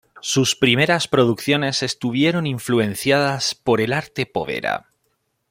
Sus primeras producciones estuvieron influenciadas por el arte povera.